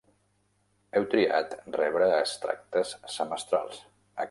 Heu triat rebre extractes semestrals.